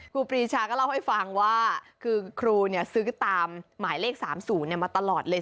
ครูปีชาก็เล่าให้ฟังว่าคือครูซื้อตามหมายเลข๓๐มาตลอดเลย